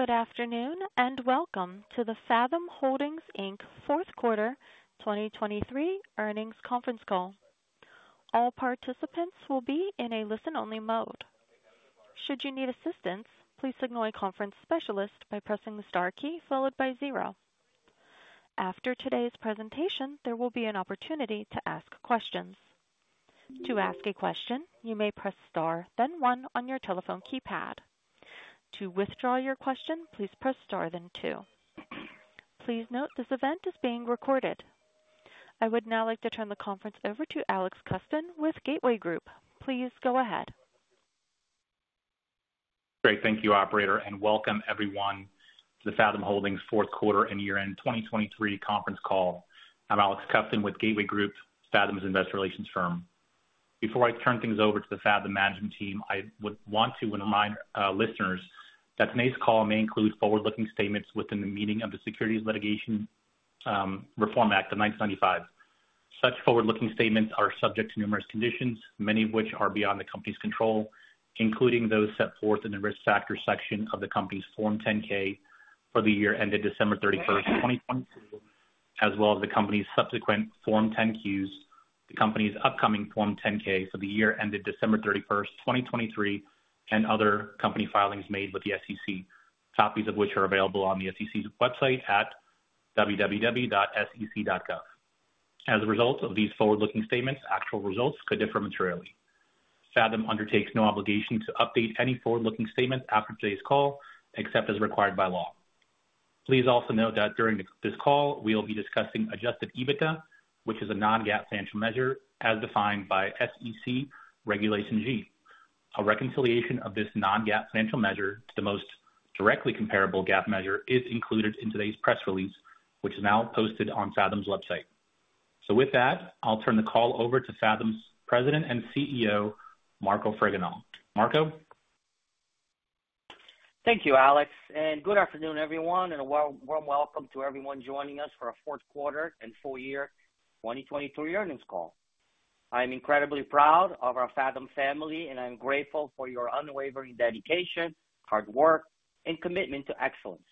Good afternoon, and welcome to the Fathom Holdings Inc. fourth quarter 2023 earnings conference call. All participants will be in a listen-only mode. Should you need assistance, please signal a conference specialist by pressing the star key followed by zero. After today's presentation, there will be an opportunity to ask questions. To ask a question, you may press star, then one on your telephone keypad. To withdraw your question, please press star then two. Please note this event is being recorded. I would now like to turn the conference over to Alex Kovtun with Gateway Group. Please go ahead. Great. Thank you, operator, and welcome everyone to the Fathom Holdings fourth quarter and year-end 2023 conference call. I'm Alex Kovtun with Gateway Group, Fathom's investor relations firm. Before I turn things over to the Fathom management team, I would want to remind listeners that today's call may include forward-looking statements within the meaning of the Securities Litigation Reform Act of 1975. Such forward-looking statements are subject to numerous conditions, many of which are beyond the company's control, including those set forth in the Risk Factors section of the company's Form 10-K for the year ended December 31, 2022, as well as the company's subsequent Form 10-Qs, the company's upcoming Form 10-K for the year ended December 31, 2023, and other company filings made with the SEC, copies of which are available on the SEC's website at www.sec.gov. As a result of these forward-looking statements, actual results could differ materially. Fathom undertakes no obligation to update any forward-looking statements after today's call, except as required by law. Please also note that during this call, we'll be discussing Adjusted EBITDA, which is a non-GAAP financial measure as defined by SEC Regulation G. A reconciliation of this non-GAAP financial measure to the most directly comparable GAAP measure is included in today's press release, which is now posted on Fathom's website. So with that, I'll turn the call over to Fathom's President and CEO, Marco Fregenal. Marco? Thank you, Alex, and good afternoon, everyone, and a warm, warm welcome to everyone joining us for our fourth quarter and full year 2023 earnings call. I'm incredibly proud of our Fathom family, and I'm grateful for your unwavering dedication, hard work, and commitment to excellence.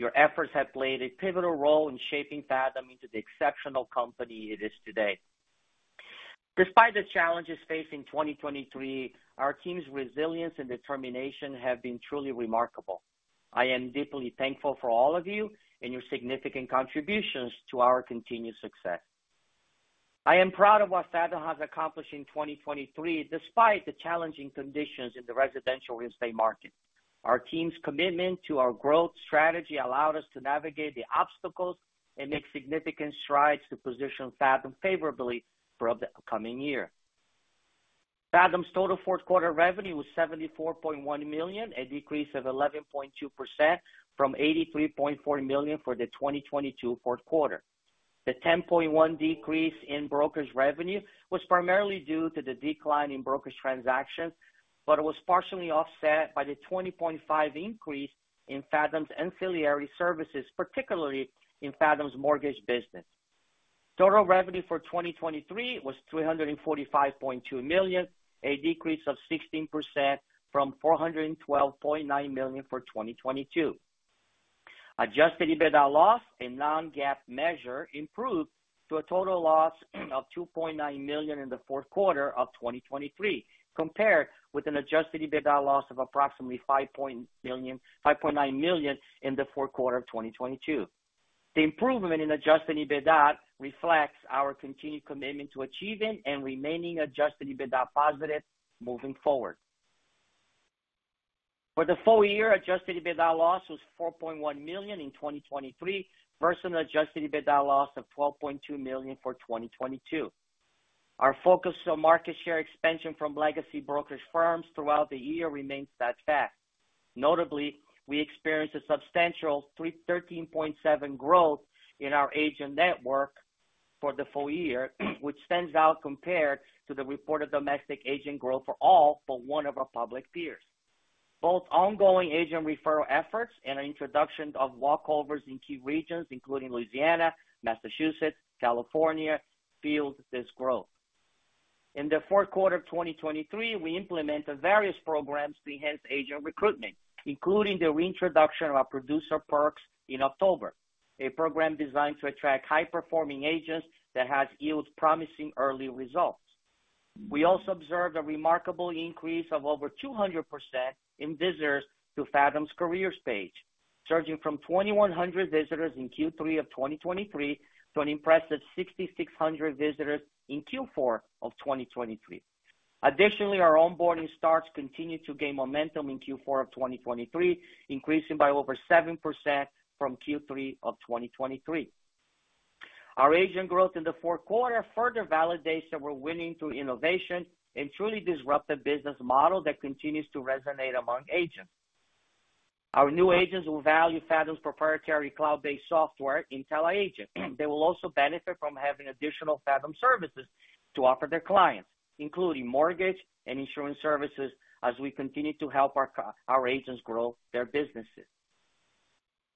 Your efforts have played a pivotal role in shaping Fathom into the exceptional company it is today. Despite the challenges facing 2023, our team's resilience and determination have been truly remarkable. I am deeply thankful for all of you and your significant contributions to our continued success. I am proud of what Fathom has accomplished in 2023, despite the challenging conditions in the residential real estate market. Our team's commitment to our growth strategy allowed us to navigate the obstacles and make significant strides to position Fathom favorably for the upcoming year. Fathom's total fourth quarter revenue was $74.1 million, a decrease of 11.2% from $83.4 million for the 2022 fourth quarter. The $10.1 million decrease in brokers' revenue was primarily due to the decline in brokers' transactions, but it was partially offset by the 20.5 increase in Fathom's ancillary services, particularly in Fathom's mortgage business. Total revenue for 2023 was $345.2 million, a decrease of 16% from $412.9 million for 2022. Adjusted EBITDA loss, a non-GAAP measure, improved to a total loss of $2.9 million in the fourth quarter of 2023, compared with an adjusted EBITDA loss of approximately $5.9 million in the fourth quarter of 2022. The improvement in Adjusted EBITDA reflects our continued commitment to achieving and remaining Adjusted EBITDA positive moving forward. For the full year, Adjusted EBITDA loss was $4.1 million in 2023, versus an Adjusted EBITDA loss of $12.2 million for 2022. Our focus on market share expansion from legacy brokerage firms throughout the year remains that fact. Notably, we experienced a substantial 13.7% growth in our agent network for the full year, which stands out compared to the reported domestic agent growth for all but one of our public peers. Both ongoing agent referral efforts and introduction of walkovers in key regions, including Louisiana, Massachusetts, California, fueled this growth. In the fourth quarter of 2023, we implemented various programs to enhance agent recruitment, including the reintroduction of our Producer Perks in October, a program designed to attract high-performing agents that has yields promising early results. We also observed a remarkable increase of over 200% in visitors to Fathom Careers, surging from 2,100 visitors in Q3 of 2023 to an impressive 6,600 visitors in Q4 of 2023. Additionally, our onboarding starts continued to gain momentum in Q4 of 2023, increasing by over 7% from Q3 of 2023. Our agent growth in the fourth quarter further validates that we're winning through innovation and truly disrupt the business model that continues to resonate among agents. Our new agents will value Fathom's proprietary cloud-based software, intelliAgent. They will also benefit from having additional Fathom services to offer their clients, including mortgage and insurance services, as we continue to help our our agents grow their businesses.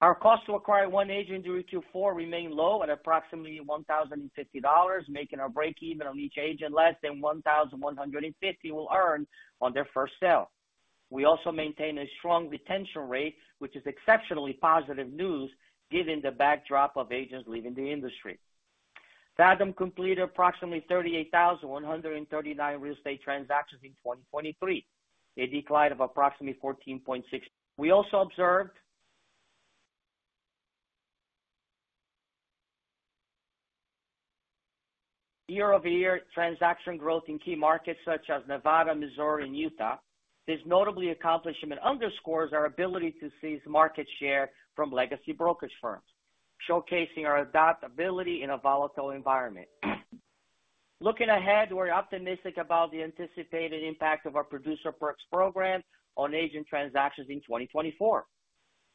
Our cost to acquire one agent in Q4 remained low at approximately $1,050, making our breakeven on each agent less than $1,150 they will earn on their first sale. We also maintain a strong retention rate, which is exceptionally positive news, given the backdrop of agents leaving the industry. Fathom completed approximately 38,139 real estate transactions in 2023, a decline of approximately 14.6%. We also observed year-over-year transaction growth in key markets such as Nevada, Missouri, and Utah. This notable accomplishment underscores our ability to seize market share from legacy brokerage firms, showcasing our adaptability in a volatile environment. Looking ahead, we're optimistic about the anticipated impact of our Producer Perks program on agent transactions in 2024.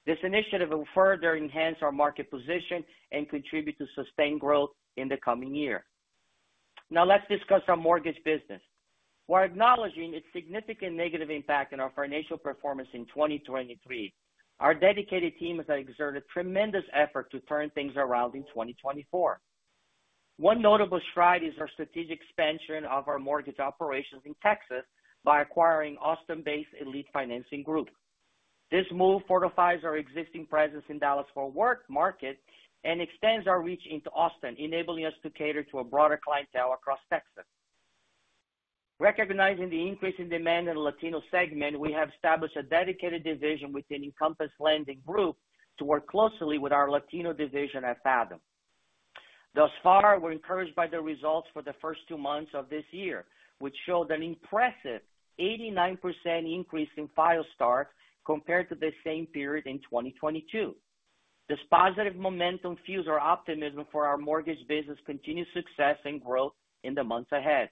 This initiative will further enhance our market position and contribute to sustained growth in the coming year. Now, let's discuss our mortgage business. While acknowledging its significant negative impact on our financial performance in 2023, our dedicated team has exerted tremendous effort to turn things around in 2024. One notable stride is our strategic expansion of our mortgage operations in Texas by acquiring Austin-based Elite Financing Group. This move fortifies our existing presence in Dallas-Fort Worth market and extends our reach into Austin, enabling us to cater to a broader clientele across Texas. Recognizing the increasing demand in the Latino segment, we have established a dedicated division within Encompass Lending Group to work closely with our Latino division at Fathom. Thus far, we're encouraged by the results for the first two months of this year, which showed an impressive 89% increase in file start compared to the same period in 2022. This positive momentum fuels our optimism for our mortgage business' continued success and growth in the months ahead.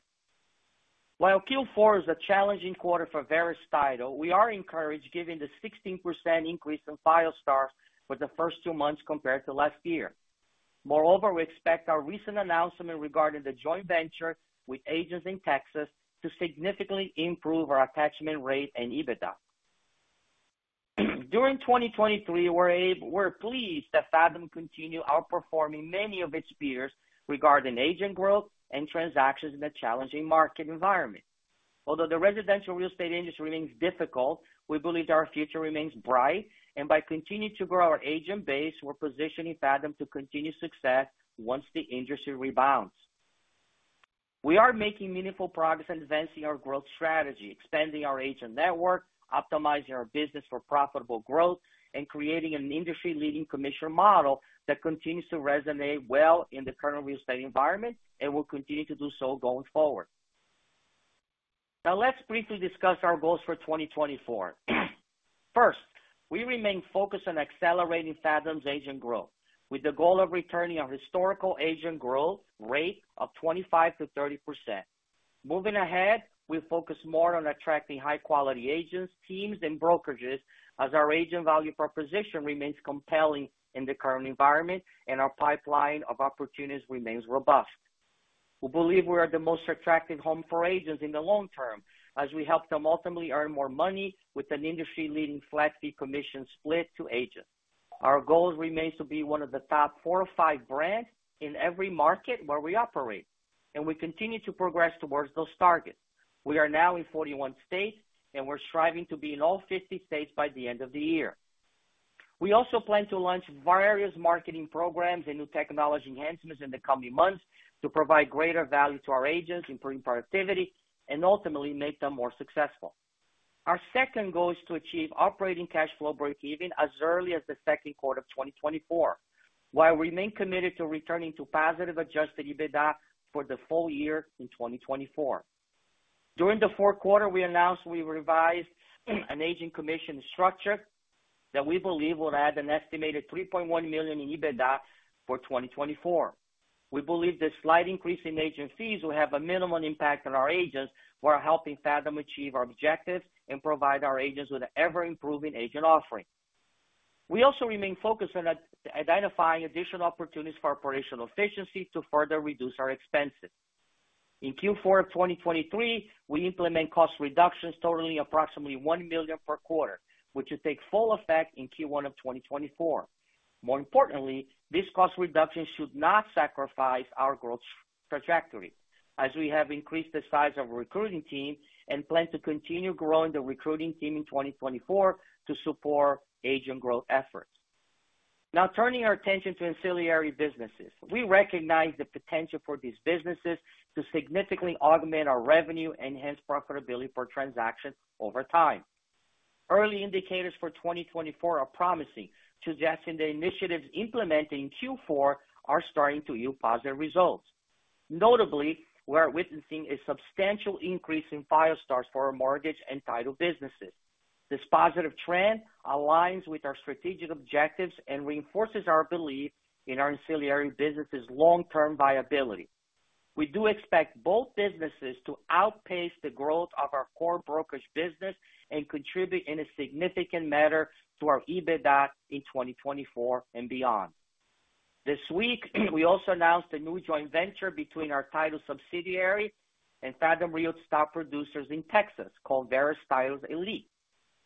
While Q4 is a challenging quarter for Verus Title, we are encouraged, given the 16% increase in file starts for the first two months compared to last year. Moreover, we expect our recent announcement regarding the joint venture with agents in Texas to significantly improve our attachment rate and EBITDA. During 2023, we're pleased that Fathom continued outperforming many of its peers regarding agent growth and transactions in a challenging market environment. Although the residential real estate industry remains difficult, we believe our future remains bright, and by continuing to grow our agent base, we're positioning Fathom to continue success once the industry rebounds. We are making meaningful progress in advancing our growth strategy, expanding our agent network, optimizing our business for profitable growth, and creating an industry-leading commission model that continues to resonate well in the current real estate environment and will continue to do so going forward. Now, let's briefly discuss our goals for 2024. First, we remain focused on accelerating Fathom's agent growth, with the goal of returning our historical agent growth rate of 25%-30%. Moving ahead, we'll focus more on attracting high-quality agents, teams, and brokerages, as our agent value proposition remains compelling in the current environment, and our pipeline of opportunities remains robust. We believe we are the most attractive home for agents in the long term, as we help them ultimately earn more money with an industry-leading flat fee commission split to agents. Our goal remains to be one of the top four or five brands in every market where we operate, and we continue to progress towards those targets. We are now in 41 states, and we're striving to be in all 50 states by the end of the year. We also plan to launch various marketing programs and new technology enhancements in the coming months to provide greater value to our agents, improving productivity and ultimately make them more successful. Our second goal is to achieve operating cash flow breakeven as early as the second quarter of 2024, while we remain committed to returning to positive Adjusted EBITDA for the full year in 2024. During the fourth quarter, we announced we revised an agent commission structure that we believe will add an estimated $3.1 million in EBITDA for 2024. We believe this slight increase in agent fees will have a minimum impact on our agents, who are helping Fathom achieve our objectives and provide our agents with an ever-improving agent offering. We also remain focused on identifying additional opportunities for operational efficiency to further reduce our expenses. In Q4 of 2023, we implement cost reductions totaling approximately $1 million per quarter, which will take full effect in Q1 of 2024. More importantly, this cost reduction should not sacrifice our growth trajectory, as we have increased the size of our recruiting team and plan to continue growing the recruiting team in 2024 to support agent growth efforts. Now, turning our attention to ancillary businesses. We recognize the potential for these businesses to significantly augment our revenue, enhance profitability per transaction over time. Early indicators for 2024 are promising, suggesting the initiatives implemented in Q4 are starting to yield positive results. Notably, we are witnessing a substantial increase in file starts for our mortgage and title businesses. This positive trend aligns with our strategic objectives and reinforces our belief in our ancillary businesses' long-term viability. We do expect both businesses to outpace the growth of our core brokerage business and contribute in a significant manner to our EBITDA in 2024 and beyond.... This week, we also announced a new joint venture between our title subsidiary and Fathom Realty top producers in Texas, called Verus Title Elite,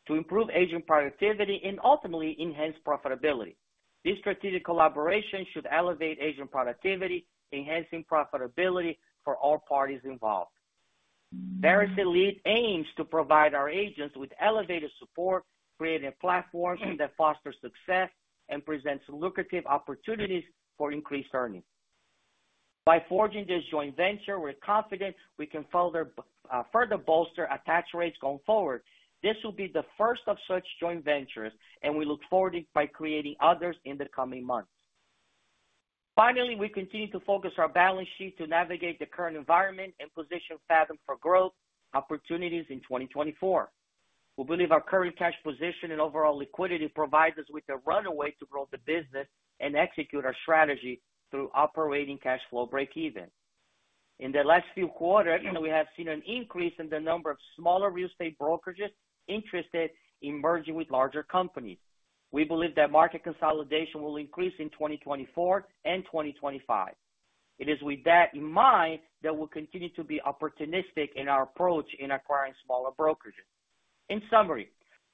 to improve agent productivity and ultimately enhance profitability. This strategic collaboration should elevate agent productivity, enhancing profitability for all parties involved. Verus Elite aims to provide our agents with elevated support, creating platforms that foster success and presents lucrative opportunities for increased earnings. By forging this joint venture, we're confident we can further, further bolster attach rates going forward. This will be the first of such joint ventures, and we look forward by creating others in the coming months. Finally, we continue to focus our balance sheet to navigate the current environment and position Fathom for growth opportunities in 2024. We believe our current cash position and overall liquidity provides us with a runway to grow the business and execute our strategy through operating cash flow breakeven. In the last few quarters, we have seen an increase in the number of smaller real estate brokerages interested in merging with larger companies. We believe that market consolidation will increase in 2024 and 2025. It is with that in mind, that we'll continue to be opportunistic in our approach in acquiring smaller brokerages. In summary,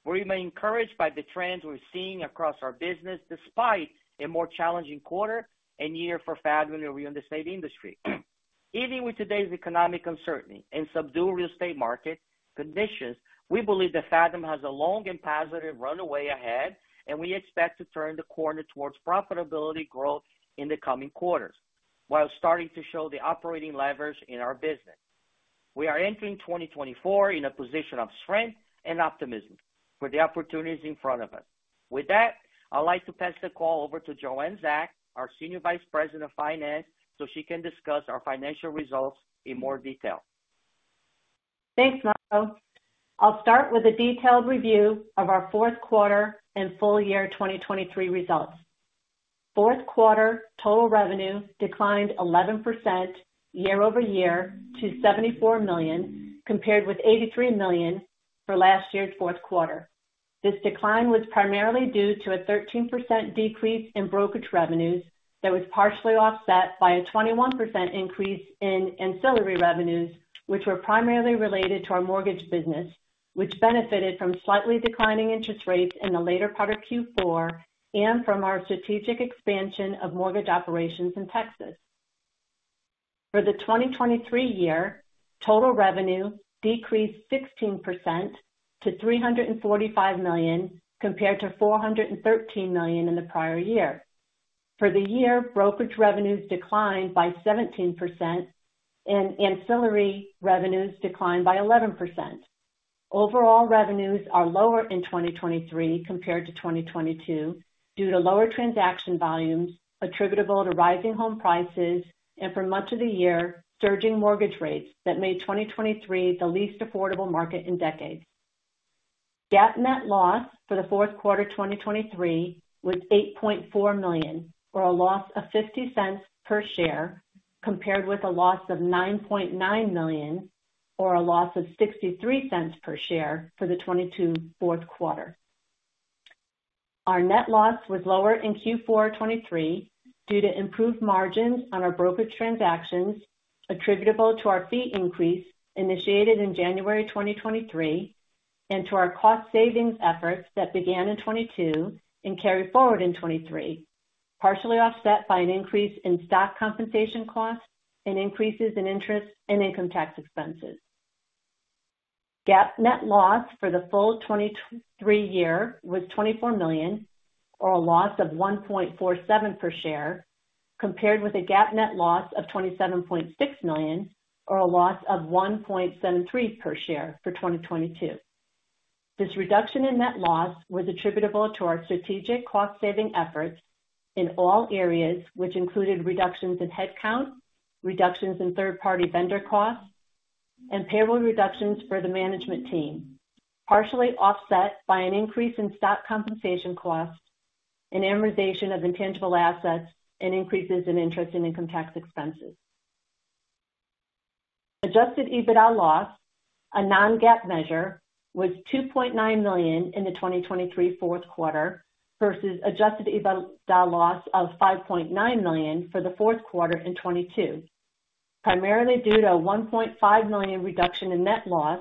we remain encouraged by the trends we're seeing across our business, despite a more challenging quarter and year for Fathom in the real estate industry. Even with today's economic uncertainty and subdued real estate market conditions, we believe that Fathom has a long and positive runway ahead, and we expect to turn the corner towards profitability growth in the coming quarters, while starting to show the operating leverage in our business. We are entering 2024 in a position of strength and optimism for the opportunities in front of us. With that, I'd like to pass the call over to Joanne Zach, our Senior Vice President of Finance, so she can discuss our financial results in more detail. Thanks, Marco. I'll start with a detailed review of our fourth quarter and full year 2023 results. Fourth quarter total revenue declined 11% year over year to $74 million, compared with $83 million for last year's fourth quarter. This decline was primarily due to a 13% decrease in brokerage revenues that was partially offset by a 21% increase in ancillary revenues, which were primarily related to our mortgage business, which benefited from slightly declining interest rates in the later part of Q4 and from our strategic expansion of mortgage operations in Texas. For the 2023 year, total revenue decreased 16% to $345 million, compared to $413 million in the prior year. For the year, brokerage revenues declined by 17%, and ancillary revenues declined by 11%. Overall, revenues are lower in 2023 compared to 2022, due to lower transaction volumes attributable to rising home prices and for much of the year, surging mortgage rates that made 2023 the least affordable market in decades. GAAP net loss for the fourth quarter, 2023 was $8.4 million, or a loss of $0.50 per share, compared with a loss of $9.9 million, or a loss of $0.63 per share for the 2022 fourth quarter. Our net loss was lower in Q4 2023 due to improved margins on our brokerage transactions, attributable to our fee increase initiated in January 2023, and to our cost savings efforts that began in 2022 and carried forward in 2023, partially offset by an increase in stock compensation costs and increases in interest and income tax expenses. GAAP net loss for the full 2023 year was $24 million, or a loss of $1.47 per share, compared with a GAAP net loss of $27.6 million, or a loss of $1.73 per share for 2022. This reduction in net loss was attributable to our strategic cost-saving efforts in all areas, which included reductions in headcount, reductions in third-party vendor costs, and payroll reductions for the management team, partially offset by an increase in stock compensation costs, an amortization of intangible assets, and increases in interest and income tax expenses. Adjusted EBITDA loss, a non-GAAP measure, was $2.9 million in the 2023 fourth quarter versus adjusted EBITDA loss of $5.9 million for the fourth quarter in 2022, primarily due to a $1.5 million reduction in net loss,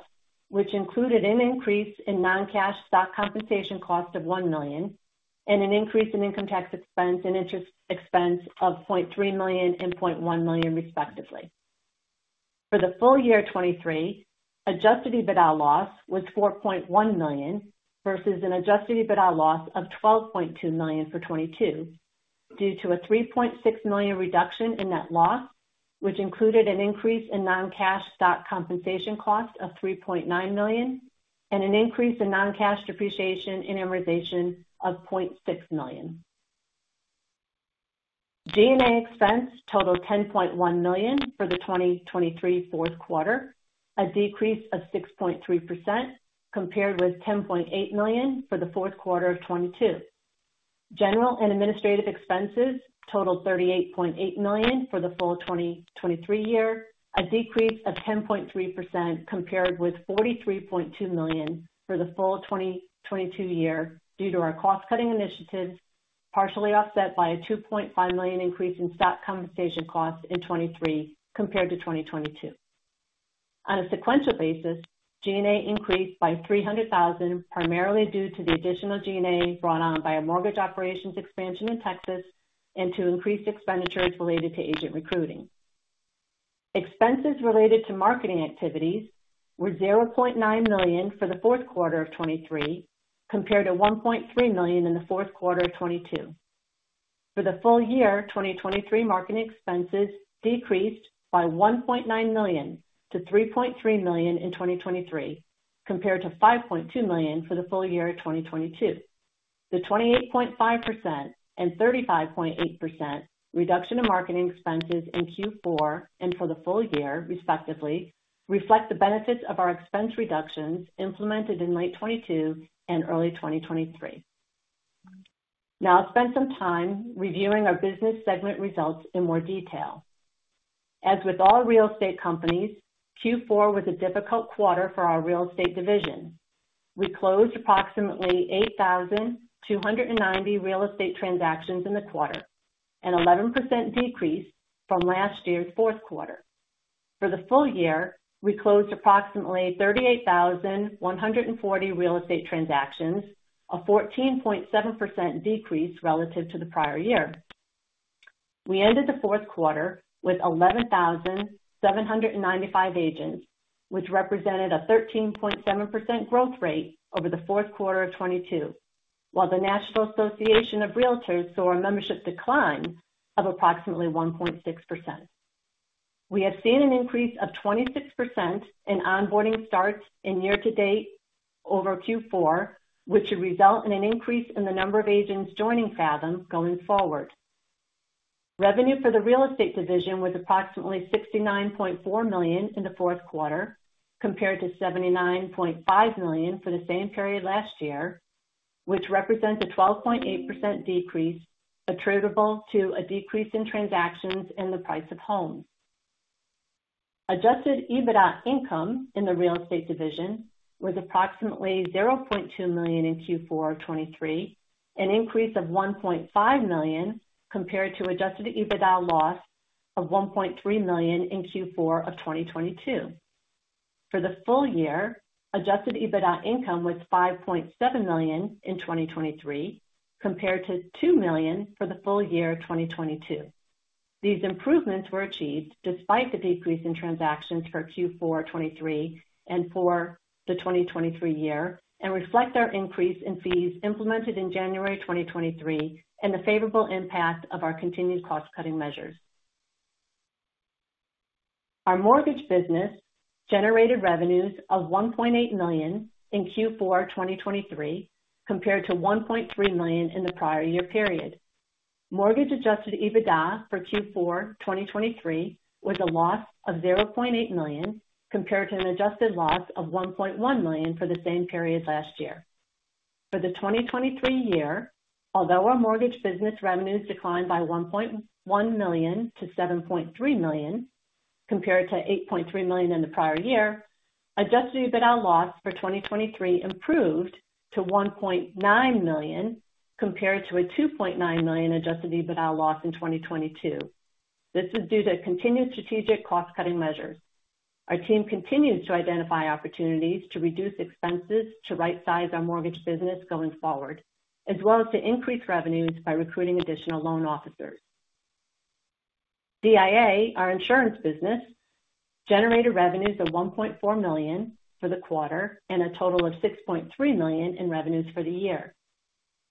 which included an increase in non-cash stock compensation cost of $1 million and an increase in income tax expense and interest expense of $0.3 million and $0.1 million, respectively. For the full year 2023, adjusted EBITDA loss was $4.1 million, versus an adjusted EBITDA loss of $12.2 million for 2022, due to a $3.6 million reduction in net loss, which included an increase in non-cash stock compensation cost of $3.9 million and an increase in non-cash depreciation and amortization of $0.6 million. G&A expense totaled $10.1 million for the 2023 fourth quarter, a decrease of 6.3%, compared with $10.8 million for the fourth quarter of 2022. General and administrative expenses totaled $38.8 million for the full 2023 year, a decrease of 10.3%, compared with $43.2 million for the full 2022 year, due to our cost-cutting initiatives, partially offset by a $2.5 million increase in stock compensation costs in 2023 compared to 2022. On a sequential basis, G&A increased by $300,000, primarily due to the additional G&A brought on by a mortgage operations expansion in Texas and to increased expenditures related to agent recruiting. Expenses related to marketing activities were $0.9 million for the fourth quarter of 2023, compared to $1.3 million in the fourth quarter of 2022. For the full year, 2023 marketing expenses decreased by $1.9 million to $3.3 million in 2023, compared to $5.2 million for the full year of 2022. The 28.5% and 35.8% reduction in marketing expenses in Q4 and for the full year, respectively, reflect the benefits of our expense reductions implemented in late 2022 and early 2023. Now I'll spend some time reviewing our business segment results in more detail. As with all real estate companies, Q4 was a difficult quarter for our real estate division. We closed approximately 8,290 real estate transactions in the quarter, an 11% decrease from last year's fourth quarter. For the full year, we closed approximately 38,140 real estate transactions, a 14.7% decrease relative to the prior year. We ended the fourth quarter with 11,795 agents, which represented a 13.7% growth rate over the fourth quarter of 2022, while the National Association of Realtors saw a membership decline of approximately 1.6%. We have seen an increase of 26% in onboarding starts in year-to-date over Q4, which should result in an increase in the number of agents joining Fathom going forward. Revenue for the real estate division was approximately $69.4 million in the fourth quarter, compared to $79.5 million for the same period last year, which represents a 12.8% decrease attributable to a decrease in transactions and the price of homes. Adjusted EBITDA income in the real estate division was approximately $0.2 million in Q4 of 2023, an increase of $1.5 million compared to adjusted EBITDA loss of $1.3 million in Q4 of 2022. For the full year, adjusted EBITDA income was $5.7 million in 2023, compared to $2 million for the full year of 2022. These improvements were achieved despite the decrease in transactions for Q4 2023 and for the 2023 year, and reflect our increase in fees implemented in January 2023, and the favorable impact of our continued cost-cutting measures. Our mortgage business generated revenues of $1.8 million in Q4 2023, compared to $1.3 million in the prior year period. Mortgage Adjusted EBITDA for Q4 2023 was a loss of $0.8 million, compared to an adjusted loss of $1.1 million for the same period last year. For the 2023 year, although our mortgage business revenues declined by $1.1 million to $7.3 million, compared to $8.3 million in the prior year, adjusted EBITDA loss for 2023 improved to $1.9 million, compared to a $2.9 million adjusted EBITDA loss in 2022. This is due to continued strategic cost-cutting measures. Our team continues to identify opportunities to reduce expenses to rightsize our mortgage business going forward, as well as to increase revenues by recruiting additional loan officers. DIA, our insurance business, generated revenues of $1.4 million for the quarter and a total of $6.3 million in revenues for the year.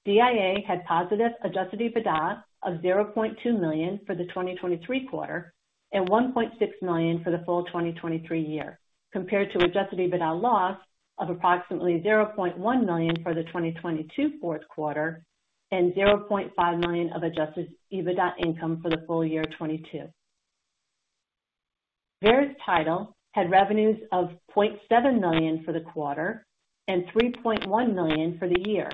DIA had positive adjusted EBITDA of $0.2 million for the 2023 quarter and $1.6 million for the full 2023 year, compared to adjusted EBITDA loss of approximately $0.1 million for the 2022 fourth quarter and $0.5 million of adjusted EBITDA income for the full year 2022. Verus Title had revenues of $0.7 million for the quarter and $3.1 million for the year.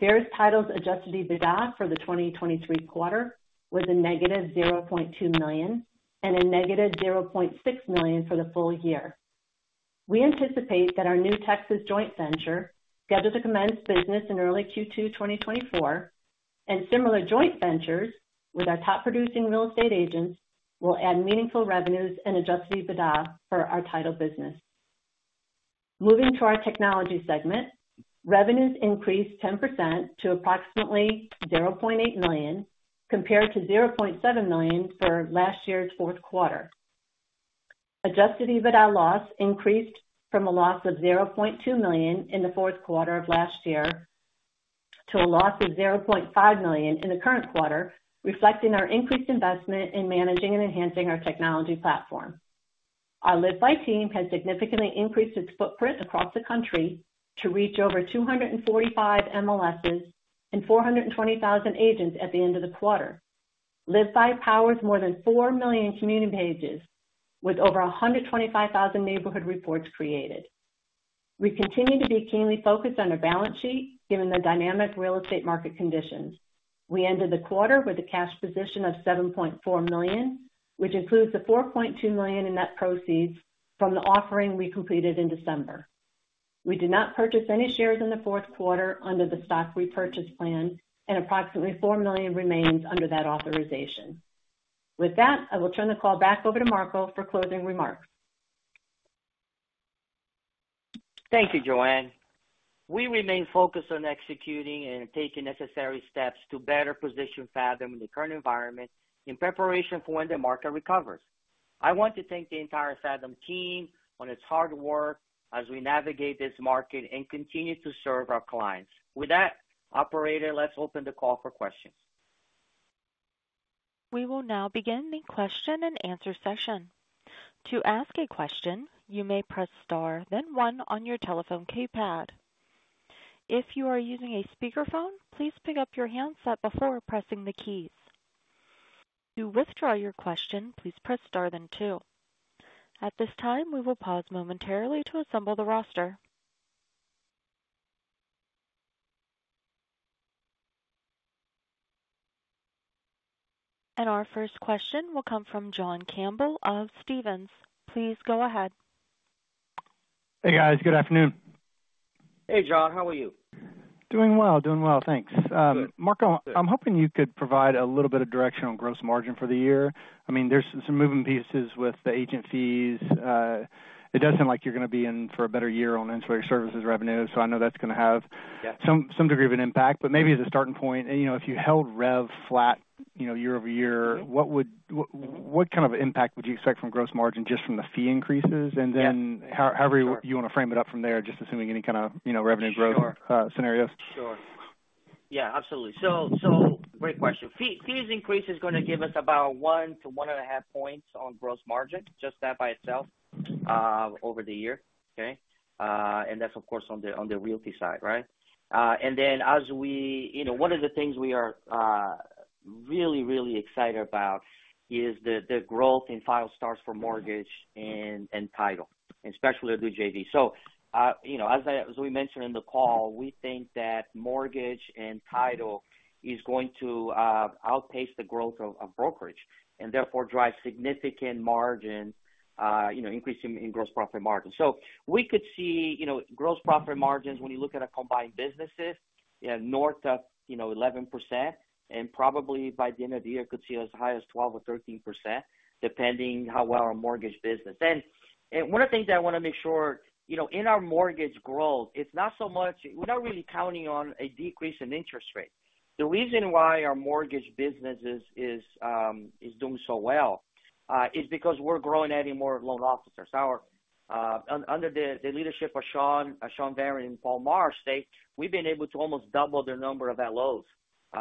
Verus Title's adjusted EBITDA for the 2023 quarter was a negative $0.2 million and a negative $0.6 million for the full year. We anticipate that our new Texas joint venture, scheduled to commence business in early Q2 2024, and similar joint ventures with our top-producing real estate agents, will add meaningful revenues and adjusted EBITDA for our title business. Moving to our technology segment. Revenues increased 10% to approximately $0.8 million, compared to $0.7 million for last year's fourth quarter. Adjusted EBITDA loss increased from a loss of $0.2 million in the fourth quarter of last year to a loss of $0.5 million in the current quarter, reflecting our increased investment in managing and enhancing our technology platform. Our LiveBy team has significantly increased its footprint across the country to reach over 245 MLSs and 420,000 agents at the end of the quarter. LiveBy powers more than 4 million community pages with over 125,000 neighborhood reports created. We continue to be keenly focused on our balance sheet, given the dynamic real estate market conditions. We ended the quarter with a cash position of $7.4 million, which includes the $4.2 million in net proceeds from the offering we completed in December. ...We did not purchase any shares in the fourth quarter under the stock repurchase plan, and approximately 4 million remains under that authorization. With that, I will turn the call back over to Marco for closing remarks. Thank you, Joanne. We remain focused on executing and taking necessary steps to better position Fathom in the current environment in preparation for when the market recovers. I want to thank the entire Fathom team on its hard work as we navigate this market and continue to serve our clients. With that, operator, let's open the call for questions. We will now begin the question-and-answer session. To ask a question, you may press Star, then one on your telephone keypad. If you are using a speakerphone, please pick up your handset before pressing the keys. To withdraw your question, please press Star then two. At this time, we will pause momentarily to assemble the roster. Our first question will come from John Campbell of Stephens. Please go ahead. Hey, guys. Good afternoon. Hey, John, how are you? Doing well. Doing well, thanks. Good. Marco, I'm hoping you could provide a little bit of direction on gross margin for the year. I mean, there's some moving pieces with the agent fees. It does seem like you're gonna be in for a better year on Insurance Services revenue, so I know that's gonna have- Yeah. Some degree of an impact, but maybe as a starting point, you know, if you held rev flat, you know, year-over-year, what would... what kind of impact would you expect from gross margin, just from the fee increases? Yeah. And then however you want to frame it up from there, just assuming any kind of, you know, revenue growth- Sure. -uh, scenarios. Sure. Yeah, absolutely. So great question. Fees increase is gonna give us about 1-1.5 points on gross margin, just that by itself, over the year, okay? That's, of course, on the realty side, right? Then as we. You know, one of the things we are really excited about is the growth in file starts for mortgage and title, especially with the JV. So, you know, as we mentioned in the call, we think that mortgage and title is going to outpace the growth of brokerage and therefore drive significant margin, you know, increasing in gross profit margin. So we could see, you know, gross profit margins when you look at a combined businesses, north of, you know, 11%, and probably by the end of the year, could see as high as 12 or 13%, depending how well our mortgage business. And, and one of the things I want to make sure, you know, in our mortgage growth, it's not so much... We're not really counting on a decrease in interest rate. The reason why our mortgage business is, is, doing so well, is because we're growing, adding more loan officers. Our, under the, the leadership of Sean Varin and Paul Marsh, they-- we've been able to almost double the number of LOs,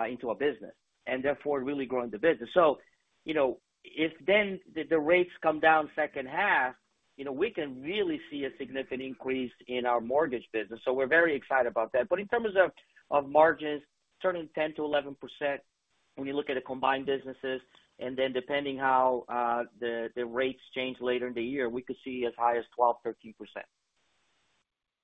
into our business, and therefore really growing the business. So, you know, if then the rates come down second half, you know, we can really see a significant increase in our mortgage business, so we're very excited about that. But in terms of margins turning 10%-11%, when you look at the combined businesses, and then depending how the rates change later in the year, we could see as high as 12%-13%.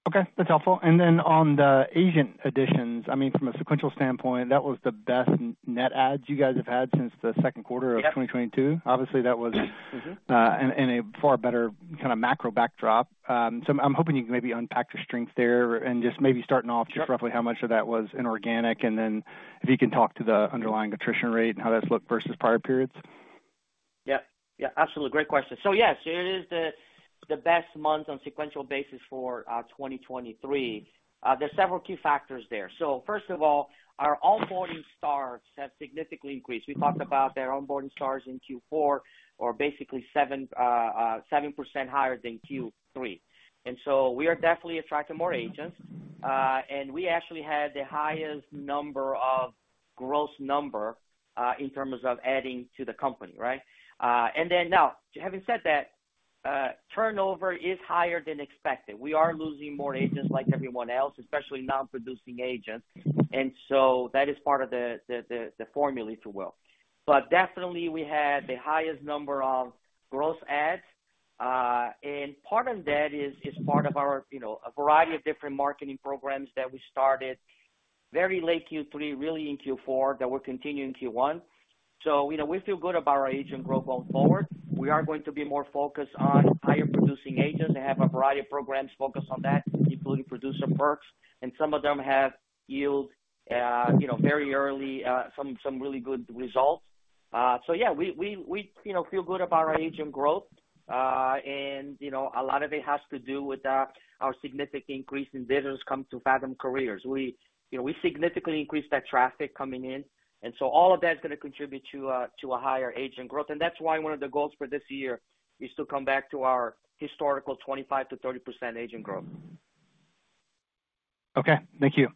Okay, that's helpful. And then on the agent additions, I mean, from a sequential standpoint, that was the best net adds you guys have had since the second quarter of- Yeah -2022. Obviously, that was- Mm-hmm. in a far better kind of macro backdrop. So I'm hoping you can maybe unpack the strength there and just maybe starting off- Sure. Just roughly how much of that was inorganic, and then if you can talk to the underlying attrition rate and how that's looked versus prior periods? Yeah. Yeah, absolutely. Great question. So, yes, it is the best month on sequential basis for 2023. There's several key factors there. So first of all, our onboarding starts have significantly increased. We talked about their onboarding starts in Q4 or basically 7% higher than Q3. And so we are definitely attracting more agents, and we actually had the highest number of gross number in terms of adding to the company, right? And then now, having said that, turnover is higher than expected. We are losing more agents like everyone else, especially non-producing agents. And so that is part of the formula, if you will. But definitely we had the highest number of gross adds, and part of that is part of our, you know, a variety of different marketing programs that we started very late Q3, really in Q4, that will continue in Q1. So, you know, we feel good about our agent growth going forward. We are going to be more focused on higher producing agents and have a variety of programs focused on that, including Producer Perks, and some of them have yield, you know, very early, some really good results. So yeah, we feel good about our agent growth. And, you know, a lot of it has to do with our significant increase in visitors coming to Fathom Careers. We, you know, we significantly increased that traffic coming in, and so all of that is gonna contribute to a, to a higher agent growth, and that's why one of the goals for this year is to come back to our historical 25%-30% agent growth. Okay, thank you.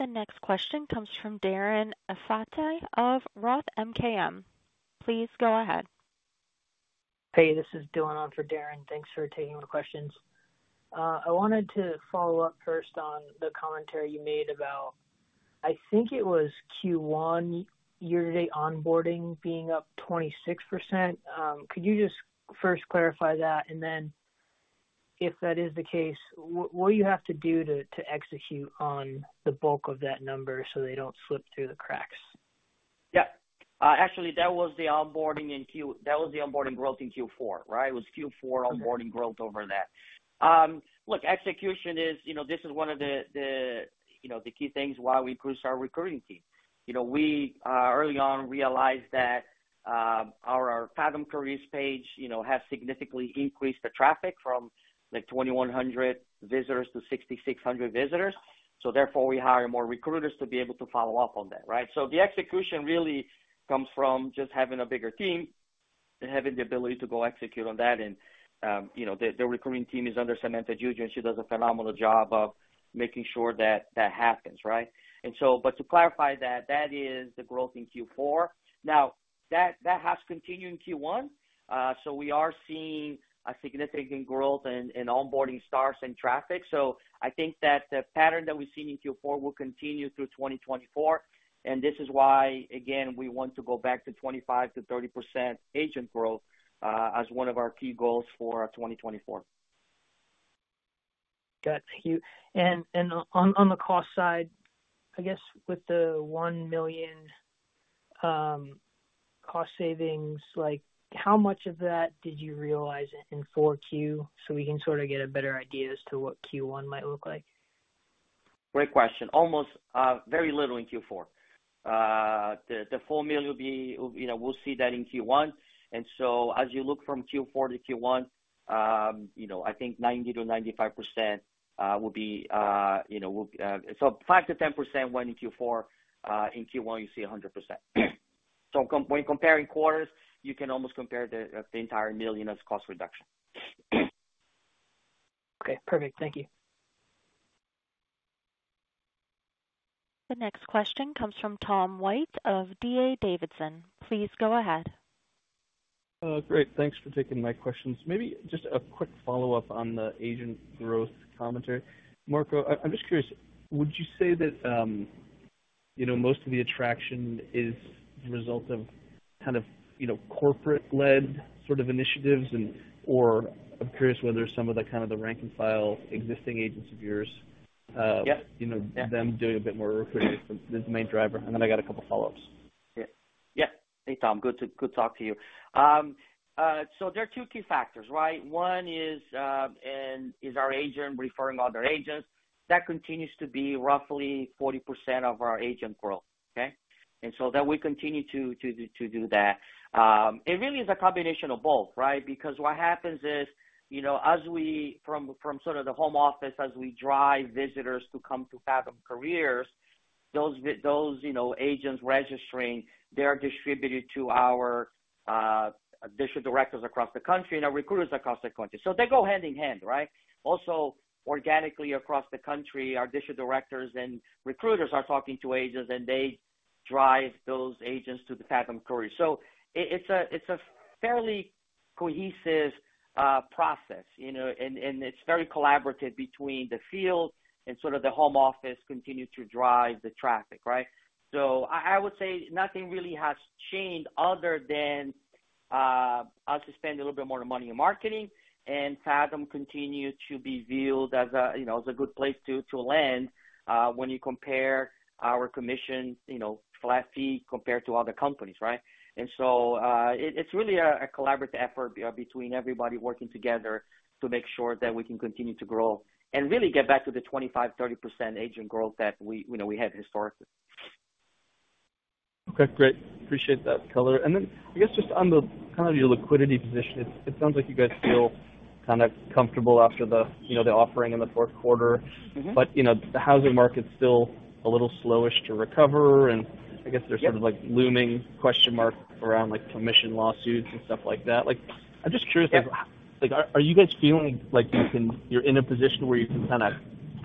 The next question comes from Darren Aftahi of Roth MKM. Please go ahead. Hey, this is Dylan on for Darren. Thanks for taking my questions. I wanted to follow up first on the commentary you made about, I think it was Q1 year-to-date onboarding being up 26%. Could you just first clarify that and then If that is the case, what do you have to do to execute on the bulk of that number so they don't slip through the cracks? Yeah. Actually, that was the onboarding in Q4. That was the onboarding growth in Q4, right? It was Q4 onboarding growth over that. Look, execution is, you know, this is one of the key things why we boost our recruiting team. You know, we early on realized that our Fathom Careers page, you know, has significantly increased the traffic from like 2,100 visitors to 6,600 visitors. So therefore, we hire more recruiters to be able to follow up on that, right? So the execution really comes from just having a bigger team and having the ability to go execute on that. And, you know, the recruiting team is under Samantha Giuggio, and she does a phenomenal job of making sure that that happens, right? And so, but to clarify that, that is the growth in Q4. Now, that has continued in Q1. So we are seeing a significant growth in onboarding starts and traffic. So I think that the pattern that we've seen in Q4 will continue through 2024, and this is why, again, we want to go back to 25%-30% agent growth as one of our key goals for our 2024. Got you. And on the cost side, I guess, with the $1 million cost savings, like, how much of that did you realize in 4Q so we can sort of get a better idea as to what Q1 might look like? Great question. Almost, very little in Q4. The $4 million will be... You know, we'll see that in Q1. And so as you look from Q4 to Q1, you know, I think 90%-95% will be, you know... So 5%-10% went in Q4, in Q1, you see 100%. So when comparing quarters, you can almost compare the entire $4 million as cost reduction. Okay, perfect. Thank you. The next question comes from Tom White of D.A. Davidson. Please go ahead. Great. Thanks for taking my questions. Maybe just a quick follow-up on the agent growth commentary. Marco, I'm just curious: would you say that, you know, most of the attraction is the result of kind of, you know, corporate-led sort of initiatives and-- or I'm curious whether some of the kind of rank and file existing agents of yours. Yeah. You know, them doing a bit more recruiting is the main driver. And then I got a couple follow-ups. Yeah. Yeah. Hey, Tom, good to talk to you. So there are two key factors, right? One is our agents referring other agents. That continues to be roughly 40% of our agent growth. Okay? And so then we continue to do that. It really is a combination of both, right? Because what happens is, you know, as we, from sort of the home office, as we drive visitors to come to Fathom Careers, those agents registering, they are distributed to our district directors across the country and our recruiters across the country. So they go hand-in-hand, right? Also, organically across the country, our district directors and recruiters are talking to agents, and they drive those agents to the Fathom Careers. So it's a fairly cohesive process, you know, and it's very collaborative between the field and sort of the home office continue to drive the traffic, right? So I would say nothing really has changed other than us to spend a little bit more money in marketing, and Fathom continues to be viewed as a, you know, as a good place to land when you compare our commission, you know, flat fee compared to other companies, right? And so it's really a collaborative effort between everybody working together to make sure that we can continue to grow and really get back to the 25-30% agent growth that we, you know, we had historically. Okay, great. Appreciate that color. And then I guess just on the kind of your liquidity position, it sounds like you guys feel kind of comfortable after the, you know, the offering in the fourth quarter. Mm-hmm. You know, the housing market is still a little slowish to recover, and I guess- Yeah. there's sort of, like, looming question mark around, like, commission lawsuits and stuff like that. Like, I'm just curious- Yeah. like, are you guys feeling like you can—you're in a position where you can kind of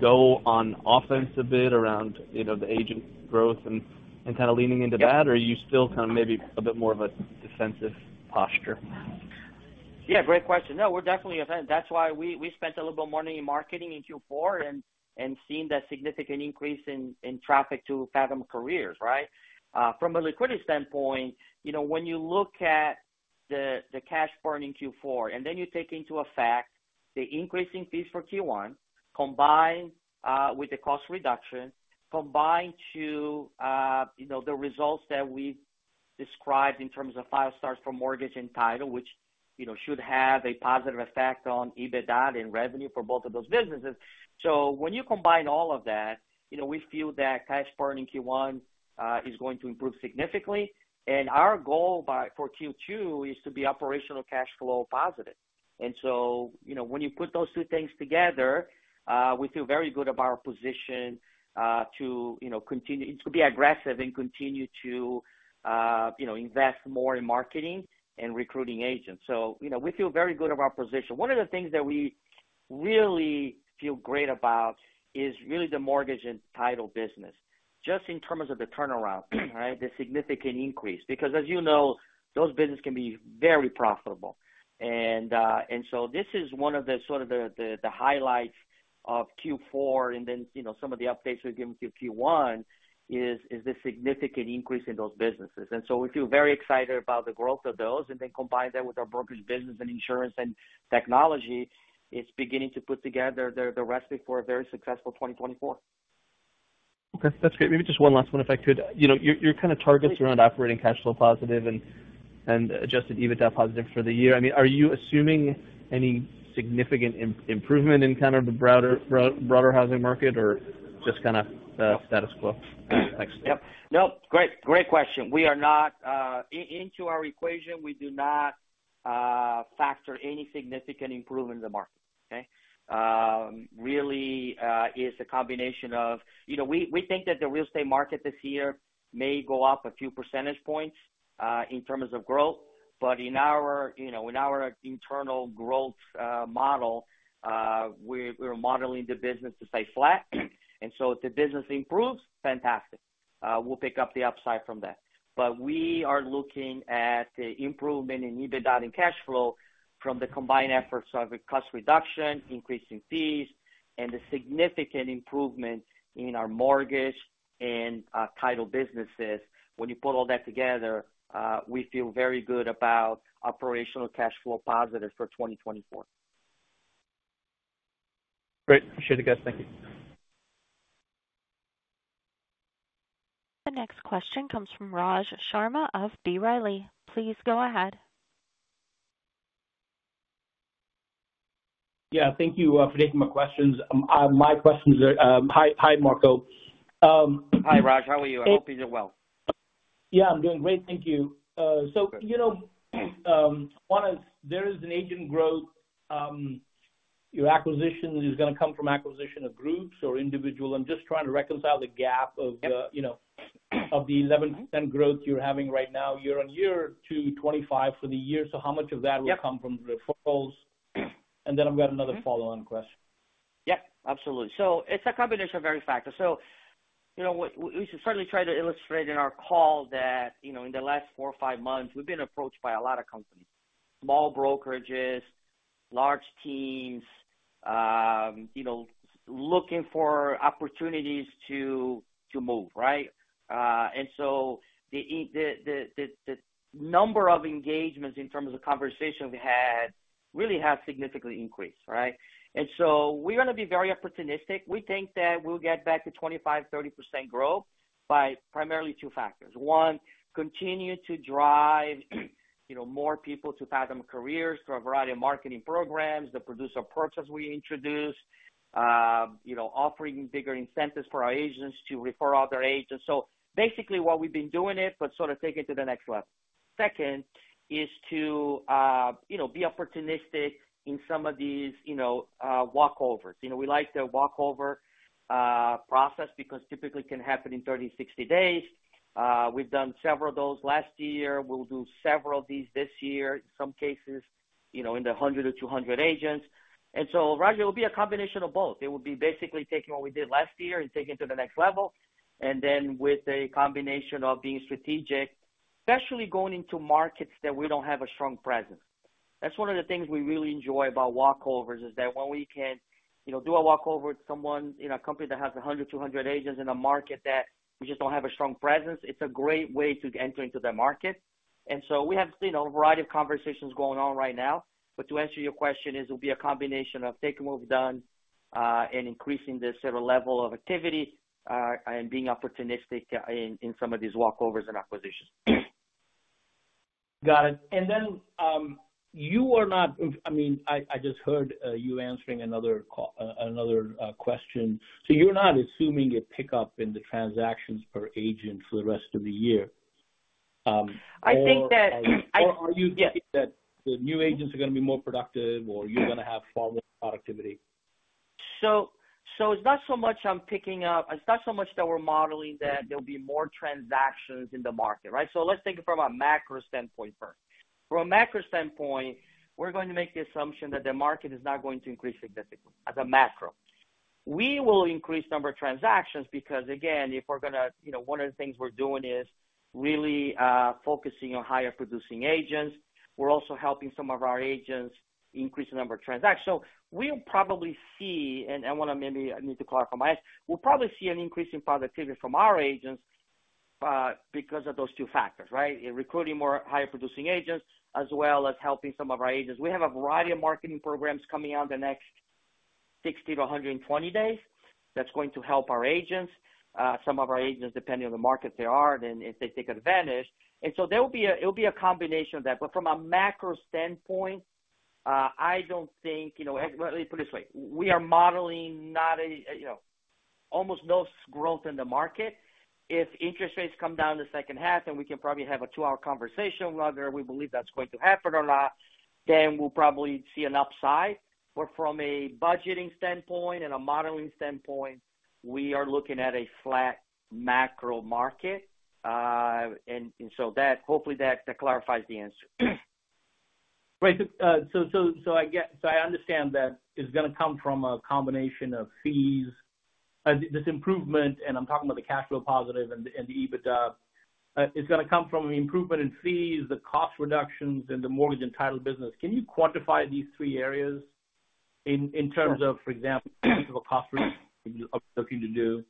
go on offense a bit around, you know, the agent growth and kind of leaning into that? Yeah. Or are you still kind of maybe a bit more of a defensive posture? Yeah, great question. No, we're definitely offense. That's why we spent a little more money in marketing in Q4 and seeing that significant increase in traffic to Fathom Careers, right? From a liquidity standpoint, you know, when you look at the cash burn in Q4, and then you take into effect the increasing fees for Q1, combined with the cost reduction, combined to, you know, the results that we described in terms of Five Stars for mortgage and title, which, you know, should have a positive effect on EBITDA and revenue for both of those businesses. So when you combine all of that, you know, we feel that cash burn in Q1 is going to improve significantly, and our goal by—for Q2 is to be operational cash flow positive. And so, you know, when you put those two things together, we feel very good about our position to, you know, continue to be aggressive and continue to, you know, invest more in marketing and recruiting agents. So, you know, we feel very good about our position. One of the things that we really feel great about is really the mortgage and title business, just in terms of the turnaround, right? The significant increase, because as you know, those businesses can be very profitable. And so this is one of the, sort of the highlights of Q4, and then, you know, some of the updates we've given to Q1 is the significant increase in those businesses. And so we feel very excited about the growth of those, and then combine that with our brokerage business and insurance and technology, it's beginning to put together the recipe for a very successful 2024. Okay, that's great. Maybe just one last one, if I could. You know, your kind of targets around operating cash flow positive and Adjusted EBITDA positive for the year. I mean, are you assuming any significant improvement in the broader housing market or just kind of status quo? Thanks. Yep. No, great, great question. We are not into our equation, we do not factor any significant improvement in the market. Okay? Really, it's a combination of-- You know, we think that the real estate market this year may go up a few percentage points in terms of growth. But in our, you know, in our internal growth model, we're modeling the business to stay flat. And so if the business improves, fantastic. We'll pick up the upside from that. But we are looking at the improvement in EBITDA and cash flow from the combined efforts of cost reduction, increasing fees, and the significant improvement in our mortgage and title businesses. When you put all that together, we feel very good about operational cash flow positive for 2024. Great. Appreciate it, guys. Thank you. The next question comes from Raj Sharma of B. Riley. Please go ahead. Yeah, thank you, for taking my questions. My questions are... Hi, Marco. Hi, Raj. How are you? I hope you're well. Yeah, I'm doing great. Thank you. So, you know, there is an agent growth, your acquisition is gonna come from acquisition of groups or individual. I'm just trying to reconcile the gap of the- Yep. you know, of the 11% growth you're having right now, year-on-year to 25 for the year. So how much of that- Yep. will come from referrals? And then I've got another follow-on question. Yeah, absolutely. So it's a combination of various factors. So, you know, we certainly tried to illustrate in our call that, you know, in the last 4 or 5 months, we've been approached by a lot of companies. Small brokerages, large teams, you know, looking for opportunities to move, right? And so the number of engagements in terms of conversation we had really have significantly increased, right? And so we're gonna be very opportunistic. We think that we'll get back to 25%-30% growth by primarily 2 factors. 1, continue to drive, you know, more people to Fathom Careers through a variety of marketing programs, the producer approaches we introduced. You know, offering bigger incentives for our agents to refer other agents. So basically, what we've been doing it, but sort of take it to the next level. Second is to, you know, be opportunistic in some of these, you know, walkovers. You know, we like the walkover process because typically it can happen in 30, 60 days. We've done several of those last year. We'll do several of these this year, in some cases, you know, in the 100 or 200 agents. And so Raj, it will be a combination of both. It will be basically taking what we did last year and taking it to the next level, and then with a combination of being strategic, especially going into markets that we don't have a strong presence. That's one of the things we really enjoy about walkovers, is that when we can, you know, do a walkover with someone in a company that has 100, 200 agents in a market that we just don't have a strong presence, it's a great way to enter into that market. And so we have, you know, a variety of conversations going on right now. But to answer your question, it will be a combination of takeover mode, and increasing the overall level of activity, and being opportunistic in some of these walkovers and acquisitions. Got it. And then, you are not—I mean, I just heard you answering another call, another question. So you're not assuming a pickup in the transactions per agent for the rest of the year? Or- I think that- Or are you- Yeah. that the new agents are gonna be more productive, or you're gonna have fallen productivity? It's not so much that we're modeling that there'll be more transactions in the market, right? So let's take it from a macro standpoint first. From a macro standpoint, we're going to make the assumption that the market is not going to increase significantly, as a macro. We will increase number of transactions, because, again, if we're gonna, you know, one of the things we're doing is really focusing on higher producing agents. We're also helping some of our agents increase the number of transactions. So we'll probably see an increase in productivity from our agents, because of those two factors, right? In recruiting more higher producing agents, as well as helping some of our agents. We have a variety of marketing programs coming out in the next 60 to 120 days. That's going to help our agents. Some of our agents, depending on the market they are, then, if they take advantage. And so there will be a, it'll be a combination of that. But from a macro standpoint, I don't think, you know, let me put it this way, we are modeling not a, you know, almost no growth in the market. If interest rates come down in the second half, then we can probably have a two-hour conversation, whether we believe that's going to happen or not, then we'll probably see an upside. But from a budgeting standpoint and a modeling standpoint, we are looking at a flat macro market. And so that, hopefully, that clarifies the answer. Great. So I understand that it's gonna come from a combination of fees. This improvement, and I'm talking about the cash flow positive and the EBITDA, it's gonna come from the improvement in fees, the cost reductions, and the mortgage and title business. Can you quantify these three areas in terms of, for example, the costs you're looking to do?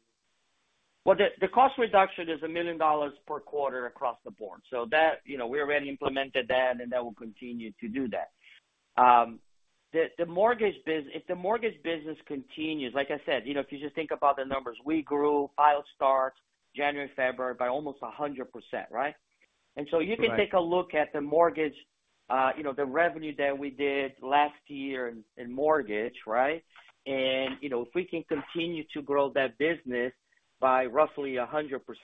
Well, the cost reduction is $1 million per quarter across the board. So that, you know, we already implemented that, and then we'll continue to do that. The mortgage biz- if the mortgage business continues, like I said, you know, if you just think about the numbers, we grew file starts January, February by almost 100%, right? Correct. And so you can take a look at the mortgage, you know, the revenue that we did last year in, in mortgage, right? And, you know, if we can continue to grow that business by roughly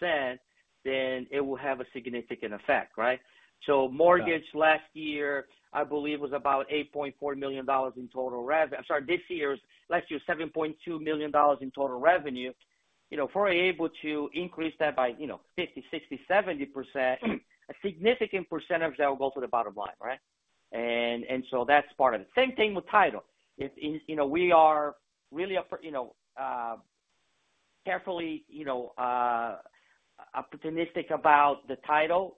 100%, then it will have a significant effect, right? Yeah. So mortgage last year, I believe, was about $8.4 million in total revenue. I'm sorry, this year's—last year, $7.2 million in total revenue. You know, if we're able to increase that by, you know, 50, 60, 70%, a significant percentage of that will go to the bottom line, right? And so that's part of it. Same thing with title. If you know, we are really, you know, carefully, you know, opportunistic about the title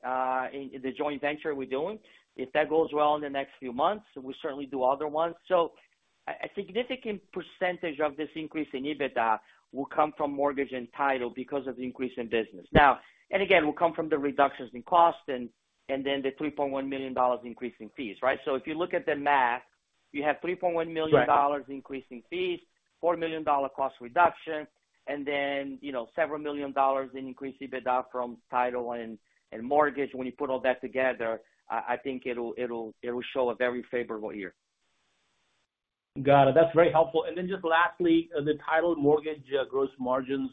in the joint venture we're doing. If that goes well in the next few months, we certainly do other ones. So a significant percentage of this increase in EBITDA will come from mortgage and title because of the increase in business. Now, and again, will come from the reductions in cost and, and then the $3.1 million increase in fees, right? So if you look at the math, you have $3.1 million- Right. increase in fees, $4 million cost reduction, and then, you know, several million dollars in increased EBITDA from title and, and mortgage. When you put all that together, I, I think it'll, it'll, it will show a very favorable year. Got it. That's very helpful. And then just lastly, the title mortgage gross margins,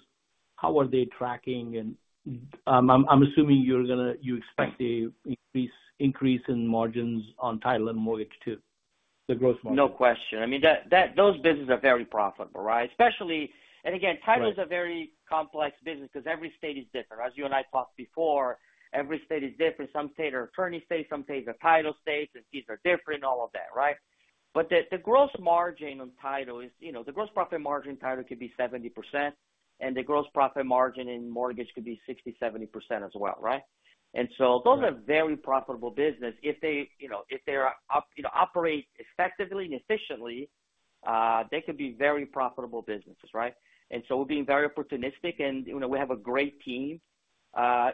how are they tracking? And I'm assuming you expect an increase in margins on title and mortgage, too, the gross margin. No question. I mean, that, that those businesses are very profitable, right? Especially, and again- Right. Title is a very complex business because every state is different. As you and I talked before, every state is different. Some states are attorney states, some states are title states, and fees are different, all of that, right? But the gross margin on title is, you know, the gross profit margin title could be 70%, and the gross profit margin in mortgage could be 60%-70% as well, right? Right. And so those are very profitable business. If they, you know, if they operate effectively and efficiently, they could be very profitable businesses, right? And so we're being very opportunistic, and, you know, we have a great team.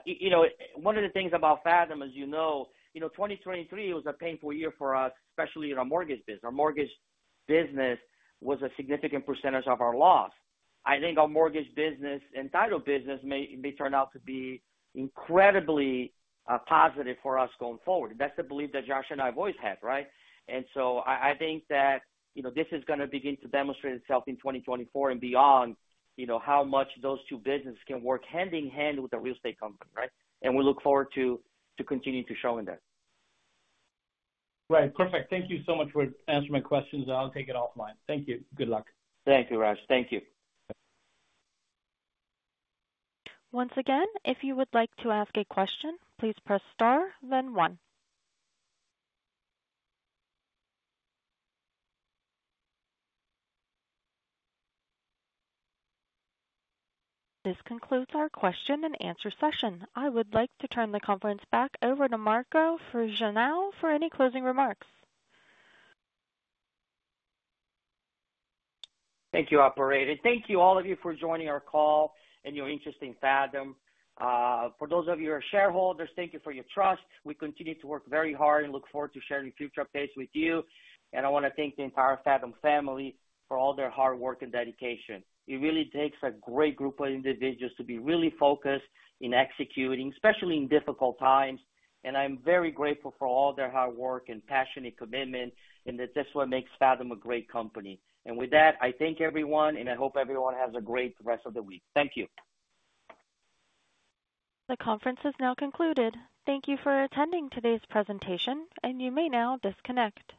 You know, one of the things about Fathom, as you know, you know, 2023 was a painful year for us, especially in our mortgage business. Our mortgage business was a significant percentage of our loss. I think our mortgage business and title business may turn out to be incredibly positive for us going forward. That's the belief that Josh and I have always had, right? And so I think that, you know, this is gonna begin to demonstrate itself in 2024 and beyond, you know, how much those two businesses can work hand-in-hand with a real estate company, right? We look forward to continuing to showing that. Right. Perfect. Thank you so much for answering my questions. I'll take it offline. Thank you. Good luck. Thank you, Raj. Thank you. Once again, if you would like to ask a question, please press star, then one. This concludes our question and answer session. I would like to turn the conference back over to Marco Fregenal for any closing remarks. Thank you, operator. Thank you, all of you, for joining our call and your interest in Fathom. For those of you who are shareholders, thank you for your trust. We continue to work very hard and look forward to sharing future updates with you. And I wanna thank the entire Fathom family for all their hard work and dedication. It really takes a great group of individuals to be really focused in executing, especially in difficult times. And I'm very grateful for all their hard work, and passion, and commitment, and that's what makes Fathom a great company. And with that, I thank everyone, and I hope everyone has a great rest of the week. Thank you. The conference has now concluded. Thank you for attending today's presentation, and you may now disconnect.